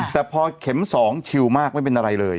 แต่พอเข็ม๒ชิวมากไม่เป็นอะไรเลย